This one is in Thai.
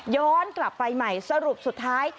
ย้อนกลับไปใหม่สรุปสุดท้าย